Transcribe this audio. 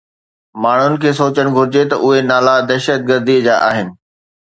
ماڻهن کي سوچڻ گهرجي ته اهي نالا دهشتگردي جا آهن